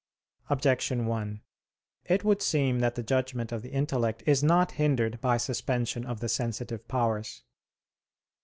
Objection 1: It would seem that the judgment of the intellect is not hindered by suspension of the sensitive powers.